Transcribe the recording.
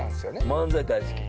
◆漫才大好き。